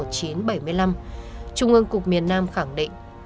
trung ương cục miền nam khẳng định